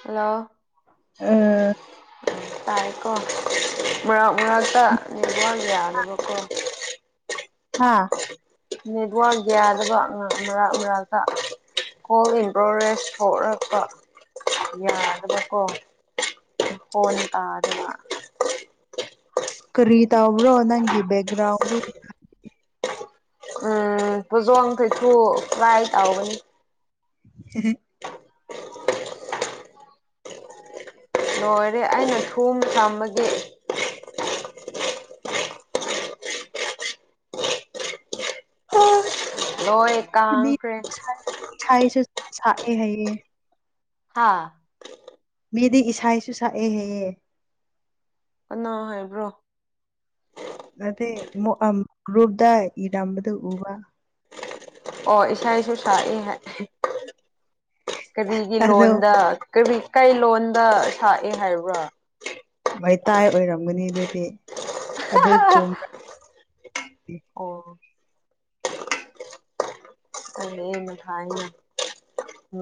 Hello ꯑ ꯀꯣ ꯃꯥꯛ ꯃꯥꯛꯇ ꯌꯥꯗꯕ ꯀꯣ ꯍ ꯍꯥꯥ ꯅꯦꯠꯋꯔꯛ ꯌꯥꯗꯕ ꯉꯍꯥꯛ ꯃꯔꯥꯛ ꯃꯔꯥꯛꯛꯇ ꯀꯣꯜ ꯏꯟꯄ꯭ꯔꯣꯒꯦꯁ ꯊꯣꯛꯂꯛꯄ ꯌꯥꯗꯕꯀꯣ ꯐꯣꯟ ꯇꯥꯗꯕ ꯀꯔꯤꯇꯥ ꯑꯣꯕ꯭ꯔꯣ ꯅꯪꯒꯤ ꯦꯒ꯭ꯔꯥꯎꯗ ꯎꯝ ꯐꯖꯣꯟ ꯀꯩꯁꯨ ꯀꯥꯏ ꯇꯥꯎꯒꯅꯤ ꯍ ꯂꯣꯏꯔꯦ ꯑꯩꯅ ꯊꯨꯕ ꯊꯥꯝꯕꯒꯤ ꯑꯣ ꯍꯣꯏ ꯇꯥꯡꯈ꯭ꯔꯦ ꯏꯁꯩꯁꯨ ꯁꯛꯑꯦ ꯍꯥꯏꯌꯦ ꯍꯥꯥ ꯃꯤꯗꯤ ꯏꯁꯥꯁꯨ ꯁꯛꯑꯦ ꯍꯦꯛꯑ ꯀꯅꯥ꫰ꯍꯥꯏꯕ꯭ꯔꯣ ꯒ꯭ꯔꯨꯨꯞꯗ ꯏꯔꯝꯕꯗ ꯎꯕ ꯑꯣ ꯏꯁꯥꯁꯨ ꯇꯥꯛꯑꯦ ꯍꯥꯏ ꯀꯔꯤꯒꯤ ꯑꯗꯣ ꯂꯣꯟꯗ ꯀꯔꯤ ꯀꯩ ꯂꯣꯟꯗ ꯁꯛꯑꯦ ꯍꯥꯏꯕ꯭ꯔꯥ ꯃꯩꯇꯥꯏ ꯑꯣꯏꯔꯝꯒꯅꯤ ꯑꯗꯨꯗꯤ ꯑꯗꯨ ꯆꯨꯝꯕ ꯑꯣ ꯀꯂ ꯃꯊꯏ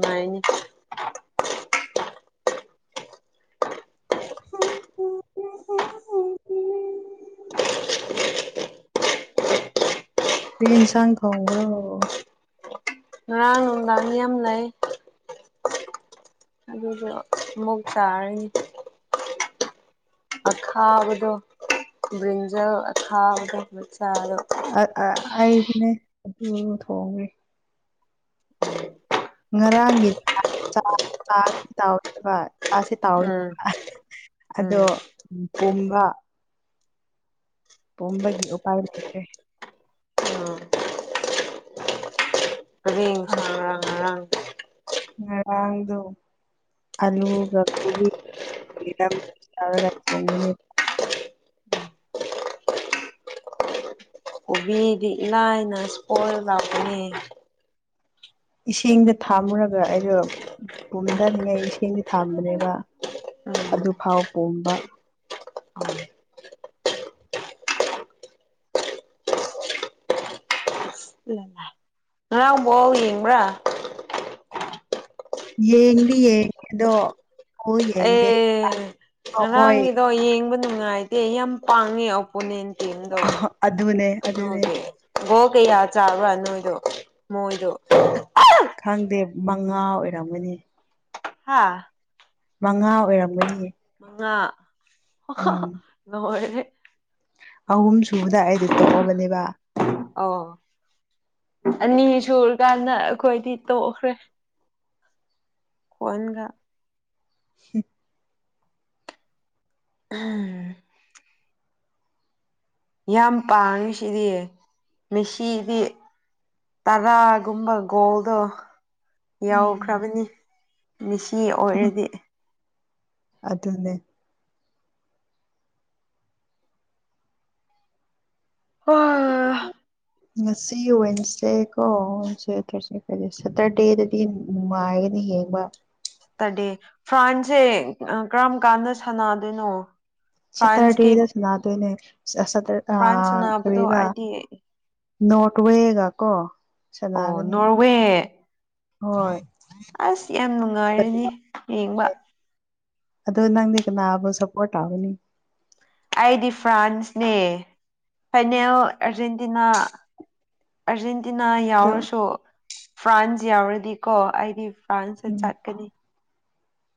ꯃ ꯍ ꯍꯥꯏ ꯐꯟꯁꯥꯡ ꯈꯣꯡꯕ꯭ꯔꯣ ꯉꯔꯥꯡ ꯅꯨꯡꯗꯥꯡ ꯃꯤ ꯌꯥꯝ ꯂꯩ ꯑꯗꯨꯗꯣ ꯑꯃꯨꯛ ꯆꯥꯔꯅꯤ ꯑꯊꯥꯕꯗꯣ ꯕ꯭ꯔꯤꯟꯖꯜ ꯑꯈꯥꯕꯗꯣ ꯃꯆꯥꯗꯣ ꯑ ꯑꯏꯁꯅꯦ ꯑꯗꯨ ꯊꯣꯡꯒꯦ ꯉꯔꯥꯡꯒꯤ ꯇꯦꯚ ꯑꯥꯁꯦ ꯎꯝ ꯇꯥꯎꯑꯣꯅꯦꯕ ꯑꯗꯣ ꯎꯝ ꯄ ꯋꯥ ꯄꯨꯝꯝꯕꯒꯤ ꯎꯄꯥꯏ ꯂꯩꯇ꯭ꯔꯦ ꯎꯝ ꯀꯔꯤ ꯑ ꯏꯟꯁꯥꯡ ꯔꯥ ꯉꯔꯥꯡ ꯉꯔꯥꯡꯗꯣ ꯑꯂꯨꯒ ꯀꯣꯕꯤ ꯌꯥꯔꯒ ꯈꯣꯡꯒꯅꯦꯕ ꯃꯗꯤ ꯂꯥꯏꯅꯁꯄꯣꯔ ꯂꯅꯦ ꯏꯁꯤꯡꯗ ꯊꯥꯝꯃꯨꯔꯒ ꯑꯩꯗꯣ ꯄꯨꯝꯊꯅꯤꯡꯉꯩ ꯏꯁꯤꯡꯗꯤ ꯊꯥꯝꯕꯅꯦꯕ ꯎꯝ ꯑꯗꯨꯐꯥꯎ ꯄꯣꯝꯕ ꯏ ꯉꯔꯥꯎꯕꯣ ꯌꯦꯡꯕ꯭ꯔꯥ ꯌꯦꯗꯤ ꯌꯦꯗꯣ ꯑꯦ ꯃꯣꯏ ꯉꯔꯥꯡꯒꯤꯗꯣ ꯌꯦꯡꯕꯗ ꯅꯨꯡꯉꯥꯏꯇꯦ ꯌꯥꯝ ꯄꯥꯡꯉꯦ ꯑꯣꯄꯣꯅꯦꯟ ꯇꯝꯗꯣ ꯑꯗꯨꯅꯦ ꯑꯗꯨꯅꯦ ꯑꯗꯨꯒꯤ ꯒꯣ ꯀꯌꯥ ꯆꯥꯕ꯭ꯔꯥ ꯅꯣꯏꯗꯣ ꯃꯣꯏꯔ ꯈꯪꯗꯦ ꯃꯉꯥ ꯑꯣꯏꯔꯝꯃꯅꯤ ꯍꯥꯥ ꯃꯉꯥ ꯑꯣꯏꯔꯝꯒꯅꯤ ꯎꯝ ꯂꯣꯏꯔꯦ ꯑꯍꯨꯝ ꯁꯨꯕꯗ ꯑꯩꯗꯣ ꯇꯣꯛꯑꯕꯅꯦꯕ ꯑꯧ ꯑꯅꯤ ꯁꯨꯔꯀꯥꯟꯗ ꯑꯩꯈꯣꯏꯗꯤ ꯇꯣꯛꯈ꯭ꯔꯦ ꯍꯒ [unintelligible] ꯍꯠ ꯎꯝ ꯌꯥꯝ ꯄꯥꯡꯉꯤꯁꯤꯗꯤ ꯃꯦꯁꯤꯗꯤ ꯇꯔꯥꯒꯨꯝꯕ ꯒꯣꯜꯗꯣ ꯎꯝ ꯌꯥꯎꯈ꯭ꯔꯕꯅꯤ ꯁꯤ ꯑꯣꯏꯔꯗꯤ ꯑꯗꯨꯅꯦ ꯑꯣ ꯉꯁꯤ ꯋꯦꯟꯁꯗꯦ ꯀꯣ ꯋꯦꯟꯁꯗꯦ ꯊꯔꯁꯗꯦ ꯀ ꯁꯦꯇꯔꯗꯦꯗꯗꯤ ꯅꯨꯡꯉꯥꯏꯒꯅꯤ ꯌꯦꯡꯕ ꯇꯔꯗꯦ ꯐ꯭ꯔꯥꯟꯁꯁꯦ ꯀꯔꯝ ꯀꯥꯟꯗ ꯁꯥꯟꯅꯗꯣꯏꯅꯣ ꯐ꯭ꯔꯥꯟꯁꯀꯤ ꯁꯠꯇꯔꯦꯗ ꯁꯅꯥꯗꯅꯦ ꯑ ꯐ꯭ꯔꯥꯟꯁ ꯑ ꯁꯥꯟꯅꯕꯗꯣ ꯊꯒ ꯑꯩꯗꯤ ꯅꯣꯠꯋꯦꯒ ꯀꯣ ꯑꯣ ꯁꯥꯟꯅꯒꯅꯤ ꯅꯣꯔꯋꯦ ꯍꯣꯏ ꯑꯁ ꯌꯥꯝ ꯅꯨꯡꯉꯥꯏꯔꯅꯦ ꯌꯦꯡꯕ ꯑꯗ ꯅꯪꯗꯤ ꯀꯅꯥꯕꯨ ꯁꯞꯄꯣꯔꯠ ꯇꯒꯅꯤ ꯑꯩꯗꯤ ꯐ꯭ꯔꯥꯟꯁꯅꯦ ꯐꯥꯏꯅꯦꯜ ꯑꯔꯖꯦꯟꯇꯤꯅꯥ ꯑꯔꯖꯦꯟ ꯇꯤꯟꯅꯥ ꯑꯗꯣ ꯌꯥꯎꯔꯁꯨ ꯐ꯭ꯔꯥꯟꯁ ꯌꯥꯎꯔꯗꯤꯀꯣ ꯑꯩꯗꯤ ꯐꯥ꯭ꯔꯟꯁꯇ ꯎꯝ ꯆꯠꯀꯅꯤ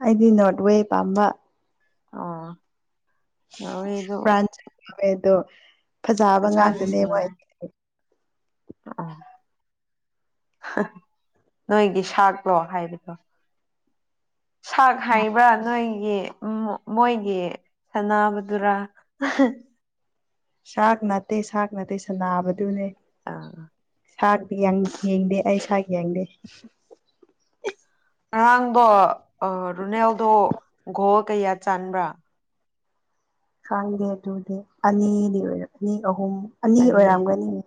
ꯑꯩꯗꯤ ꯅꯣꯔꯠ ꯋꯦ ꯄꯥꯝꯕ ꯑꯥ ꯐ꯭ꯔꯥꯟꯁ ꯌꯥꯎꯔꯦꯗꯨ ꯐꯖꯕ ꯐꯖꯅ ꯉꯥꯛꯇꯅꯦ ꯃꯣꯏ ꯁꯥꯟꯅꯔꯦ ꯑꯣ ꯅꯣꯏꯒꯤ ꯁꯥꯛꯂꯣ ꯍꯥꯏꯕꯗꯣ ꯁꯥꯛ ꯍꯥꯏꯕ꯭ꯔꯥ ꯅꯣꯏ ꯒꯤ ꯃꯣꯏꯒꯤ ꯁꯅꯥꯕꯗꯨꯔꯥ ꯁꯥꯛ ꯅꯠꯇꯦ ꯁꯥꯛ ꯅꯠꯇꯦ ꯁꯥꯅꯥꯕꯗꯨꯅꯦ ꯑꯥ ꯁꯔ ꯌꯦꯡꯗꯦ ꯑꯩ ꯁꯋꯥꯏ ꯌꯦꯡꯗꯦ ꯑꯔꯥꯡꯕ ꯑ ꯔꯨꯅꯦꯜꯗꯣ ꯒꯣꯜ ꯀꯌꯥ ꯆꯥꯟꯕ꯭ꯔꯥ ꯈꯪꯗꯦ ꯑꯗꯨꯗꯤ ꯑꯅꯤꯗꯤ ꯑꯣꯏꯔꯝꯅꯤ ꯑꯍꯨꯝ ꯑꯅꯤ ꯑꯣꯏꯔꯝꯒꯅꯤ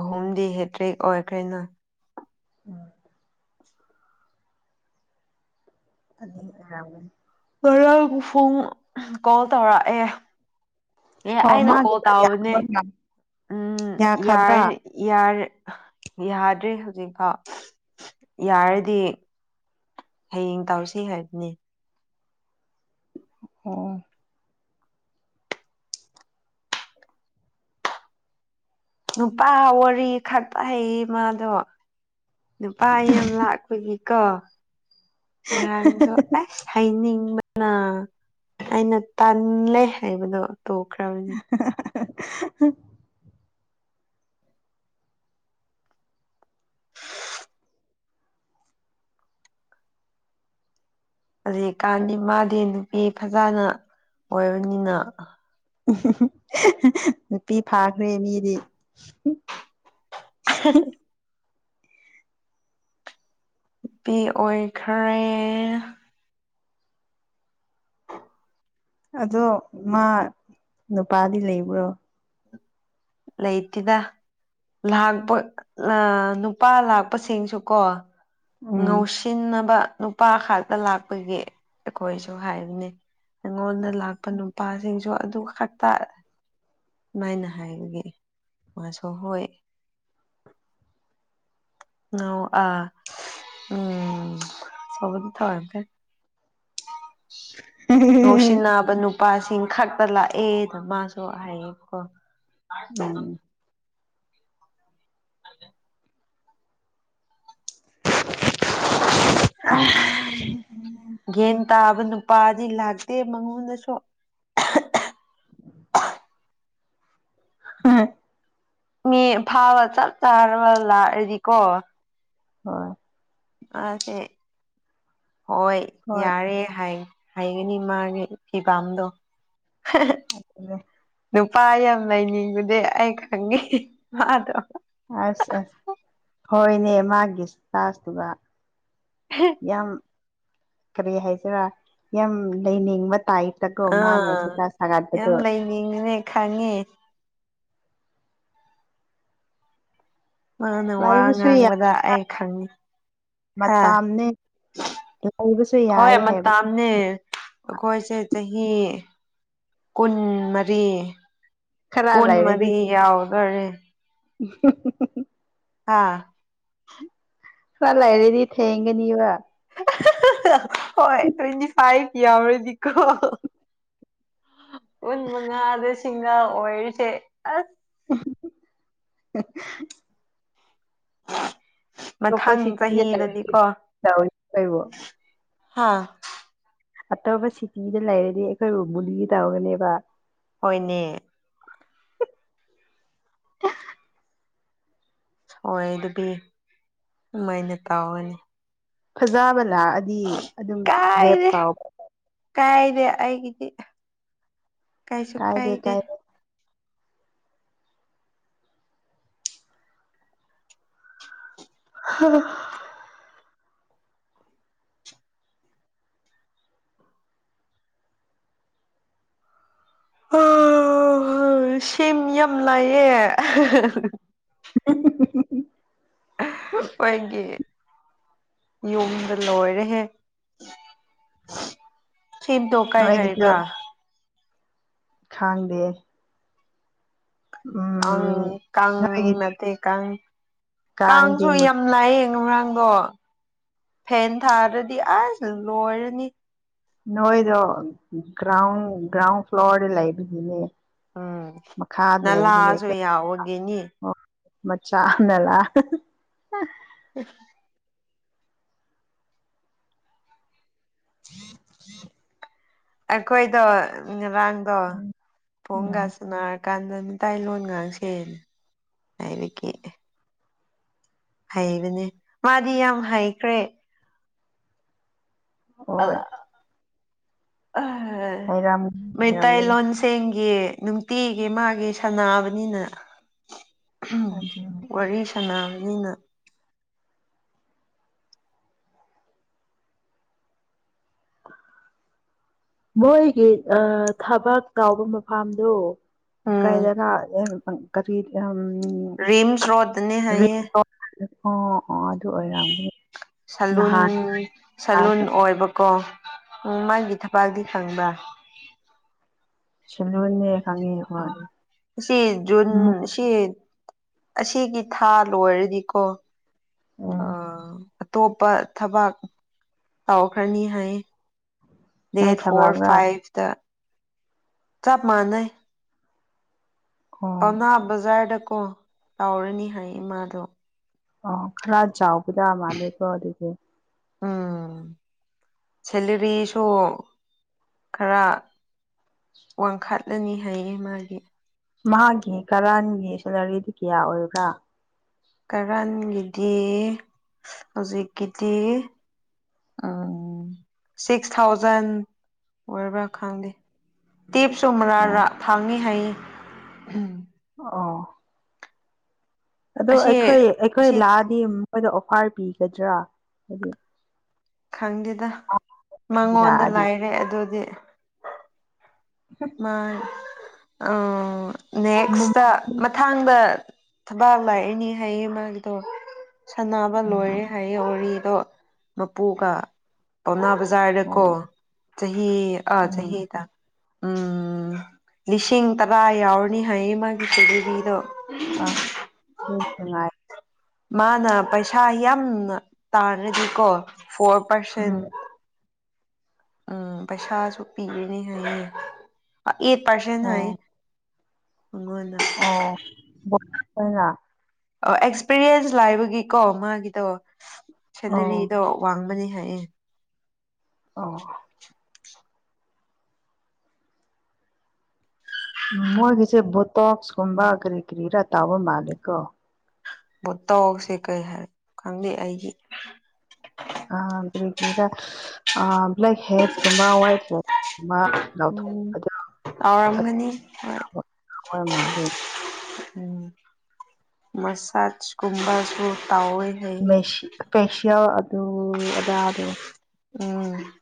ꯑꯍꯨꯝꯗꯤ ꯍꯦꯛꯇ꯭ꯔꯤ ꯑꯣꯏꯈ꯭ꯔꯦ ꯅꯥ ꯎꯝ [unintelligible] ꯉꯔꯥꯡ ꯐꯨꯡ ꯀꯣꯜ ꯇꯧꯔꯛꯑꯦ ꯑꯦ ꯑꯣ ꯑꯩꯅ ꯀꯣꯜ ꯃꯥꯒꯤꯗꯣ ꯇꯧꯕꯅꯦ ꯌꯥꯈ꯭ꯔꯕ꯭ꯔꯥ ꯎꯝ ꯌꯥꯈ꯭ꯔꯕ꯭ꯔꯥ ꯌꯥꯔꯦ ꯌꯥꯗ꯭ꯔꯦ ꯍꯧꯖꯤꯛꯐꯥꯎ ꯌꯥꯔꯗꯤ ꯍꯌꯦꯡ ꯇꯧꯁꯤ ꯍꯥꯏꯕꯅꯤ ꯑꯣ ꯅꯨꯄꯥ ꯋꯥꯔꯤ ꯈꯛꯇ ꯍꯩꯌꯦ ꯃꯥꯗꯣ ꯅꯨꯄꯥ ꯌꯥꯝ ꯂꯥꯛꯄꯒꯤ ꯀꯣ ꯉꯔꯥꯡꯁꯨ ꯑꯁ ꯍꯩꯅꯤꯡ ꯃꯔꯨ ꯑꯩꯅ ꯇꯜꯂꯦ ꯍꯥꯏꯕꯗꯣ ꯇꯣꯛꯈꯔꯕꯅꯤ [unintelligible] ꯍꯧꯖꯤꯛꯀꯥꯟꯗꯤ ꯃꯥꯗꯤ ꯅꯨꯄꯤ ꯐꯖꯅ ꯀꯣꯏꯕꯅꯤꯅ ꯅꯨꯄꯤ ꯐꯥꯈ꯭ꯔꯦ ꯃꯤꯗꯤ [unintelligible] ꯅꯨꯄꯤ ꯑꯣꯏꯈ꯭ꯔꯦ ꯑꯗꯣ ꯃꯥ ꯅꯨꯄꯥꯗꯤ ꯂꯩꯕ꯭ꯔꯣ ꯂꯩꯇꯦꯗ ꯂꯥꯛꯄ ꯅꯨꯄꯥ ꯂꯥꯛꯄꯁꯤꯡꯁꯨꯀꯣ ꯎꯝ ꯉꯧꯁꯤꯟꯅꯕ ꯅꯨꯄꯥ ꯈꯥꯛꯛꯇ ꯂꯥꯛꯄꯒꯤ ꯑꯩꯈꯣꯏꯁꯨ ꯍꯥꯏꯕꯅꯤ ꯑꯩꯉꯣꯟꯗ ꯂꯥꯛꯄ ꯅꯨꯄꯥꯁꯤꯡꯁꯨ ꯑꯗꯨ ꯈꯛꯇ ꯁꯨꯃꯥꯏꯅ ꯍꯥꯏꯕꯒꯤ ꯃꯥꯁꯨ ꯍꯣꯏ ꯑ ꯑ ꯎꯝ ꯁ ꯊ ꯔꯣꯁꯤꯅꯄ ꯅꯨ ꯅꯨꯄꯥꯁꯤꯡ ꯈꯛꯇ ꯂꯥꯛꯑꯦꯗ ꯃꯥꯁꯨ ꯍꯥꯏꯌꯦꯀꯣ ꯎꯝ ꯑꯗꯦ ꯑ ꯒꯟ ꯇꯥꯕ ꯅꯨꯄꯥꯗꯤ ꯂꯥꯛꯇꯦ ꯃꯉꯣꯟꯗꯁꯨ ꯍꯥ ꯃꯤ ꯐꯥꯕ ꯆꯞ ꯆꯥꯔꯕ ꯂꯥꯛꯑꯗꯤꯀꯣ ꯍꯣꯏ ꯑꯁꯦ ꯍꯣꯏ ꯍꯣꯏ ꯌꯥꯔꯦ ꯍꯥꯏ ꯍꯥꯏꯒꯅꯤ ꯃꯥꯅꯤ ꯐꯤ ꯄꯝꯗꯣ ꯅꯨ ꯄꯥ ꯌꯥꯝ ꯂꯩꯅꯤꯡꯕꯗꯤ ꯑꯩ ꯈꯪꯉꯦ ꯃꯥꯗꯣ ꯑꯁ ꯑꯁ ꯍꯣꯏꯅꯦ ꯃꯥꯒꯤ ꯆꯥꯖꯇꯨꯒ ꯌꯥꯝ ꯀꯔꯤ ꯍꯥꯏꯁꯤꯔꯥ ꯌꯥꯝ ꯂꯩꯅꯤꯡꯕ ꯇꯥꯏꯞꯇꯀꯣ ꯃꯥꯅ ꯑꯥ ꯁꯤꯇꯥ ꯌꯥꯝ ꯁꯥꯒꯠꯄꯗꯣ ꯂꯩꯅꯤꯡꯅꯦ ꯈꯪꯉꯦ ꯃꯥꯅ ꯋꯥ ꯂꯩꯕꯁꯨ ꯉꯥꯡꯕꯗ ꯑꯩ ꯈꯪꯉꯤ ꯍꯥ ꯃꯇꯝꯅꯦ ꯂꯩꯕꯁꯨ ꯍꯣꯏ ꯌꯥꯏ ꯍꯥꯏꯕ ꯃꯇꯥꯅꯦ ꯑꯩꯈꯣꯏꯁꯦ ꯆꯍꯤ ꯀꯨꯟ ꯃꯔꯤ ꯈꯔ ꯀꯨꯟ ꯂꯩꯔꯗꯤ ꯃꯔꯤ ꯌꯥꯎꯈꯔꯦ [inaudible] ꯍꯥꯥ ꯍꯂꯥꯏꯔꯦꯗꯤ ꯊꯦꯡꯒꯅꯤꯕ [inaudible] ꯍꯣꯏ ꯇ꯭ꯋꯦꯟꯇꯤ ꯐꯥꯏꯚ ꯀ꯭ꯔꯗꯤꯀꯣ ꯑꯣꯟ ꯃ ꯁꯤꯡꯉ ꯑꯣꯏꯔꯁꯦ ꯑꯁ [inaudible] ꯃꯊꯪ ꯆꯣꯄꯁꯤ ꯀ ꯆꯍꯤꯗꯗꯤꯀꯣ ꯍꯥꯥ ꯑꯇꯣꯞꯄ ꯁꯤꯇꯤꯗ ꯂꯩꯔꯗꯤ ꯑꯩꯈꯣꯏꯕꯨ ꯃꯨꯂꯤ ꯇꯧꯒꯅꯦꯕ ꯍꯣꯏꯅꯦ [unintelligible] ꯍꯣꯏ ꯑꯗꯨꯗꯤ ꯑꯗꯨꯃꯥꯏꯅ ꯇꯧꯋꯦ ꯐꯖꯥꯕꯅ ꯂꯥꯛꯑꯗꯤ ꯑꯗꯨꯝ ꯔꯦꯞ ꯀꯥꯏꯗꯦ ꯇꯥꯎꯕ ꯀꯥꯏꯗꯦ ꯑꯩꯒꯤꯗꯤ ꯀꯥꯏꯁꯨ ꯀꯥꯏꯗꯦ [unintelligible] ꯑꯣ ꯁꯦꯝ ꯌꯥꯝ ꯂꯥꯏꯌꯦ꯫ [unintelligible] ꯑꯣꯏꯒꯤ ꯌꯨꯝꯗ ꯂꯣꯏꯔꯦꯍꯦ ꯊꯦꯟꯗꯣ ꯀꯥꯏ ꯍꯥꯏꯕ꯭ꯔ ꯈꯥꯡꯗꯦ ꯀꯪ ꯀꯪ ꯅ ꯅꯣꯏꯒꯤꯗꯤ ꯀꯪ [unintelligible] ꯀꯥꯡꯗꯤ ꯀꯥꯡꯁꯨ ꯌꯥꯝ ꯂꯥꯛꯌꯦ [unintelligible] ꯗꯣ ꯐꯦꯟ ꯊꯥꯗꯔꯗꯤ ꯑꯁ ꯂꯣꯏꯔꯅꯤ꯫ ꯅꯣꯏꯗꯣ ꯒ꯭ꯔꯥꯎꯟ ꯒ꯭ꯔꯥꯎꯟ ꯐ꯭ꯂꯣꯔꯗ ꯂꯩꯕꯒꯤꯅꯦ꯫ ꯎꯝ ꯃꯈꯥꯗ ꯅꯂꯁꯨ [unintelligible] ꯃꯆꯥꯥ ꯅꯥꯂꯥ [unintelligible] [inaudible] [unintelligible] [inaudible] ꯑꯩꯈꯣꯏꯗꯣ ꯔꯥꯡꯗꯣ ꯎꯝ ꯄꯣꯟꯒꯥꯁꯅ ꯀꯥꯟꯗ ꯃꯤꯇꯥꯏ ꯂꯣꯟ ꯉꯥꯡꯁꯦ ꯂꯥꯏꯔꯤꯛꯀꯤ꯫ ꯍꯩꯕꯅꯦ ꯃꯥꯗꯤ ꯌꯥꯝ ꯍꯩꯈ꯭ꯔꯦ ꯍꯣꯏ ꯑ ꯂꯩꯔꯝ ꯃꯩꯇꯩ ꯂꯩꯔꯝꯒꯅꯤ ꯂꯣꯟꯁꯤꯡꯒꯤ ꯅꯨꯡꯇꯤꯒꯤ ꯃꯥꯗꯤ ꯁꯅꯥꯕꯅꯤꯅ ꯑꯗꯨ ꯋꯥꯔꯤ ꯁꯅꯥꯕꯅꯤꯅ ꯃꯣꯏꯒꯤ ꯊꯕꯥꯛ ꯇꯎꯕ ꯃꯐꯝꯗꯨ ꯀꯩ ꯎꯝ ꯗꯥ ꯂꯥꯛ ꯑꯒꯦ ꯍꯥꯏꯅꯣ ꯫ ꯀꯔꯤ [inaudible] ꯔꯔꯤꯝꯁ ꯔꯣꯠꯇꯅꯦ ꯍꯥꯏꯌꯦ꯫ ꯑꯣ ꯑꯣ ꯑꯗꯨ ꯑꯣꯏꯔꯝꯒꯅꯤ ꯁꯂꯨꯟ ꯅꯍꯥꯟ ꯁꯂꯨꯟ ꯑꯣꯏꯕꯀꯣ ꯎ ꯃꯥꯒꯤ ꯊꯕꯥꯜꯗꯤ ꯈꯪꯕ꯭ꯔꯥ ꯆꯅ ꯃ ꯁꯤ ꯖꯨꯟ ꯃꯨꯛ ꯁꯤ ꯑꯁꯤꯒꯤ ꯊꯥ ꯂꯣꯏꯔꯗꯤꯀꯣ ꯎꯝ ꯑꯥ ꯑꯇꯣꯞꯄ ꯊꯕꯛ ꯇꯧꯈ꯭ꯔꯅꯤ ꯍꯥꯏ ꯗꯦꯠ ꯀꯩ ꯐꯣꯔ ꯊꯕꯛꯔꯥ ꯐꯥꯏꯚ ꯆꯞ ꯃꯥꯅꯦ ꯑꯣ ꯑꯅꯥ ꯖꯔꯗ ꯀꯣ ꯇꯥꯎꯔꯅꯤ ꯍꯥꯏ ꯏꯃꯥꯗꯣ ꯑ ꯈꯔ ꯆꯥꯎꯕꯗ ꯃꯥꯥꯟꯂꯦꯀꯣ ꯑꯗꯨꯗꯤ ꯎꯝ ꯁꯦꯂꯔꯤꯁꯨ ꯈꯔ ꯋꯥꯡꯈꯠꯂꯅꯤ ꯍꯥꯏꯌꯦ ꯃꯥꯒꯤ ꯃꯥꯒꯤ ꯀꯔꯥꯟꯒꯤ ꯁꯦꯂꯔꯤꯗꯤ ꯀꯌꯥ ꯑꯣꯏꯕ꯭ꯔꯥ ꯀꯔꯟꯒꯤꯗꯤ ꯍꯧꯖꯤꯛꯀꯤꯗꯤ ꯁꯤꯛꯁ ꯊꯥꯎꯖꯟ ꯑꯣꯏꯕ꯭ꯔꯥ ꯈꯪꯗꯦ ꯇꯤꯞꯁ ꯑꯣ ꯃꯔꯔꯥꯔ ꯐꯥꯡꯉꯤ ꯍꯥꯏꯏ ꯎꯝ ꯑ ꯑꯗꯣ ꯑꯁꯤ ꯑꯩꯈꯣꯏ ꯑꯩꯈꯣꯏ ꯑꯁꯤ ꯂꯥꯛꯑꯗꯤ ꯑꯩꯈꯣꯏꯗ ꯑꯣꯐꯥꯔ ꯄꯤꯒꯗ꯭ꯔꯥ ꯍꯥꯏꯗꯤ ꯈꯪꯗꯦꯗ ꯃꯉꯣꯟꯗ ꯂꯥꯛꯑꯗꯤ ꯂꯥꯏꯔꯦ ꯑꯗꯨꯗꯤ ꯃꯥ ꯑꯣ ꯎꯝ ꯅꯦꯛꯁꯇ ꯃꯊꯥꯡꯗ ꯊꯕꯥꯛ ꯂꯥꯛꯑꯅꯤ ꯍꯥꯏꯌꯦ ꯃꯥꯒꯤꯗꯣ ꯁꯥꯟꯅꯕ ꯂꯣꯏꯔꯦ ꯍꯥꯏꯌꯦ ꯍꯧꯔꯤ ꯃꯄꯨꯒ ꯄꯥꯎ [unintelligible] ꯀꯣ ꯑꯣ ꯆꯍꯤ ꯑ ꯎꯝ ꯆꯍꯤꯗ ꯎꯝ ꯂꯤꯁꯤꯡ ꯇꯔꯥ ꯌꯥꯎꯔꯅꯤ ꯍꯥꯏꯌꯦ ꯃꯥꯒꯤ ꯀꯦꯕꯤꯗꯣ ꯑ ꯉꯥꯏ ꯃꯥꯅ ꯄꯩꯁꯥ ꯌꯥꯝꯅ ꯇꯥꯔꯗꯤꯀꯣ ꯐꯣꯔ ꯄꯔꯁꯦꯟ ꯎꯝ ꯎꯝ ꯄꯩꯁꯥꯁꯨ ꯄꯤꯒꯅꯤ ꯍꯥꯏꯌꯦ ꯑꯦ ꯄꯥꯁꯦ ꯅ ꯍꯥꯏꯣꯏ ꯑꯣꯅ ꯑꯣ ꯑꯦꯛꯁꯄꯤꯔꯤꯌꯦꯟꯁ ꯂꯥꯏꯕꯒꯤꯀꯣ ꯃꯥꯒꯤꯗꯣ ꯑꯣ ꯁꯦꯂꯔꯤꯗꯣ ꯋꯥꯡꯕꯅꯦ ꯍꯥꯏꯌꯦ ꯑꯣ ꯃꯣꯏꯒꯤꯁꯦ ꯕꯣꯇꯣꯛꯁꯀꯨꯝꯕꯥ ꯀꯔꯤ ꯀꯔꯤꯔ ꯇꯧꯕ ꯃꯥꯜꯂꯦꯀꯣ ꯕꯣꯇꯣꯛꯁꯁꯦ ꯀꯩ ꯍꯥꯏ ꯈꯪꯗꯦ ꯑꯩꯗꯤ ꯑ ꯀꯔꯤ ꯀꯔꯤꯔ ꯕ꯭ꯂꯦꯛꯍꯦꯗꯁ ꯋꯥꯏꯠꯍꯦꯗꯁ ꯀꯨꯝꯕ ꯎꯝ ꯇꯧꯔꯝꯒꯅꯤ ꯍꯣꯏ ꯍꯣꯏ ꯃꯥꯗꯣ ꯎꯝ ꯃꯁꯥꯖꯀꯨꯝꯕꯁꯨ ꯁ꯭ꯄꯦꯁꯤꯌꯜ ꯑꯗꯨ ꯑꯗ ꯑꯗꯨ ꯎꯝ